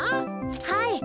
はい。